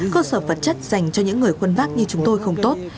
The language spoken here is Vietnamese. cơ sở vật chất dành cho những người khuân pháp như chúng tôi không tốt